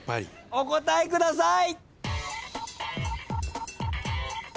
お答えください！